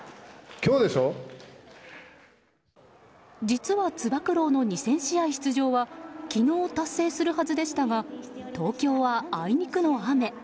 実はつば九郎の２０００試合出場は昨日達成するはずでしたが東京はあいにくの雨。